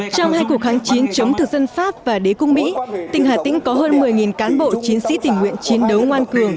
trong hai cuộc kháng chiến chống thực dân pháp và đế quốc mỹ tỉnh hà tĩnh có hơn một mươi cán bộ chiến sĩ tình nguyện chiến đấu ngoan cường